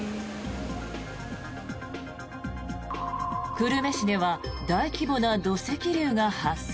久留米市では大規模な土石流が発生。